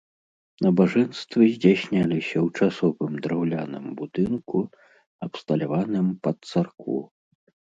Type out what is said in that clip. Набажэнствы здзяйсняліся ў часовым драўляным будынку, абсталяваным пад царкву.